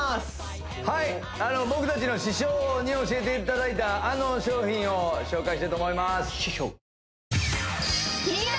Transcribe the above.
はい僕たちの師匠に教えていただいたあの商品を紹介したいと思います